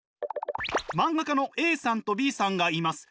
マンガ家のＡさんとＢさんがいます。